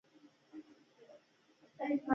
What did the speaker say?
د کارګیل جنګ په غرونو کې وشو.